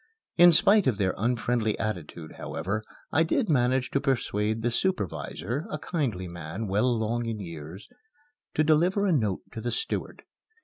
In spite of their unfriendly attitude, however, I did manage to persuade the supervisor, a kindly man, well along in years, to deliver a note to the steward.